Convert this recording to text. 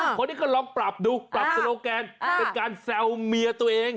คนนี้ก็ลองปรับดูปรับโซโลแกนเป็นการแซวเมียตัวเอง